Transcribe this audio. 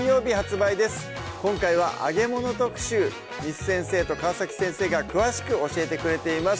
簾先生と川先生が詳しく教えてくれています